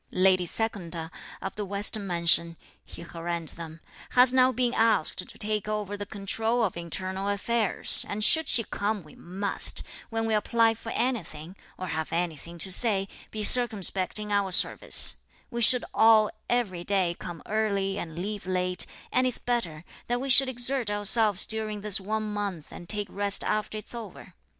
"Lady Secunda, of the western mansion," he harangued them, "has now been asked to take over the control of internal affairs; and should she come we must, when we apply for anything, or have anything to say, be circumspect in our service; we should all every day come early and leave late; and it's better that we should exert ourselves during this one month and take rest after it's over.